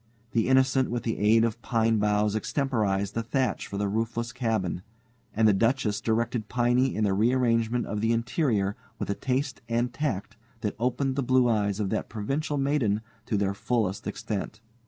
The Innocent with the aid of pine boughs extemporized a thatch for the roofless cabin, and the Duchess directed Piney in the rearrangement of the interior with a taste and tact that opened the blue eyes of that provincial maiden to their fullest extent.